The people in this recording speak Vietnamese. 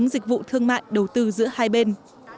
đầu tư giữa hai bên